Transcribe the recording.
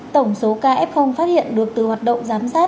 tổng số kf phát hiện được từ hoạt động giám sát